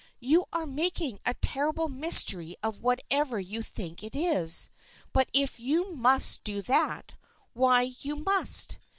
You are making a terrible mystery of whatever you think it is, but if you must do that, why you must.